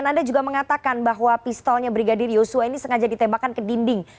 jadi ini berarti bahwa pistolnya brigadir yosua ini sengaja ditebakkan ke dinding